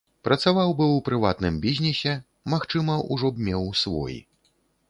Працаваў бы ў прыватным бізнесе, магчыма, ужо б меў свой.